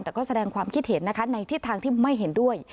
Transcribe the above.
แต่ก็แสดงความคิดเห็นนะคะในทิศทางที่ไม่เห็นด้วย